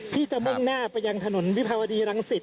ที่จะมุ่งหน้าไปยังถนนวิภาวดีรังสิต